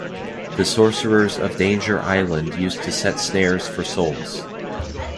The sorcerers of Danger Island used to set snares for souls.